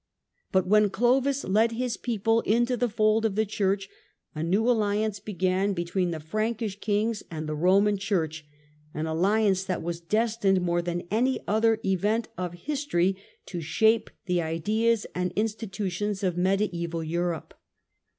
But when Clovis led his people into the fold of the Church a new alliance began between the Frankish kings and the Koman Church — an alliance that was destined, more than any other event of history, to shape tne ideas and institutions of Mediaeval Europe.